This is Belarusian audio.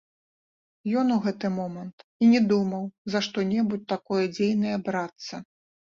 Ён у гэты момант і не думаў за што-небудзь такое дзейнае брацца.